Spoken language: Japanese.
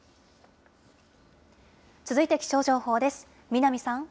続いて気象情報です。